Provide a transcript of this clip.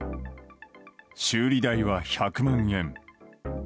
修理代は１００万円。